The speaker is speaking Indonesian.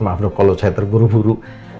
maaf loh kalau saya terburu buru